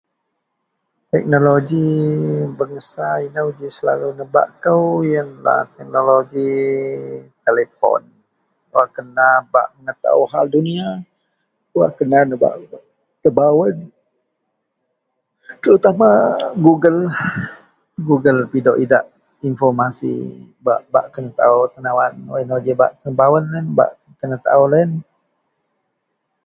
Teknologi bengsa inou ji selalu nebak kou yenlah teknoloji telipon wak kena bak mengetaao hal dunia, wak kena nebak tebawen terutama gugellah, gugel pidok idak pidok infomasi bak bak kenetaao tenawan wak inou ji bak tenabawen loyen, bak kenetaao loyen